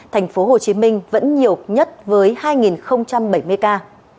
thành phố hồ chí minh vẫn nhiều nhất với hai bảy mươi ca